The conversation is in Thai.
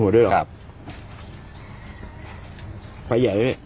มีไฟสูง